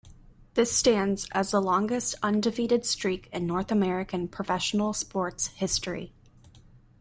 This stands as the longest undefeated streak in North American professional sports history.